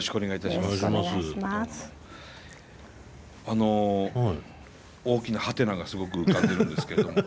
あの大きなハテナがすごく浮かんでいるんですけれども。